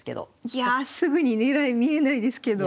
いやあすぐに狙い見えないですけど。